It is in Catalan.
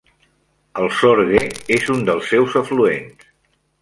El Sorgue és un dels seus afluents.